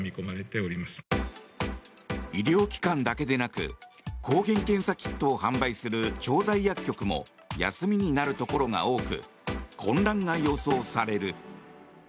医療機関だけでなく抗原検査キットを販売する調剤薬局も休みになるところが多く混乱が予想される。